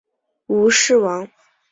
吴氏亡。